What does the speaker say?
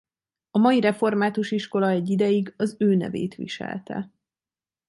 A mai református iskola egy ideig az ő nevét viselte.